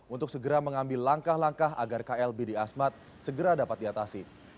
untuk segera mengambil langkah langkah agar klb di asmat segera dapat diatasi